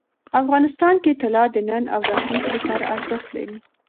افغانستان کې طلا د نن او راتلونکي لپاره ارزښت لري.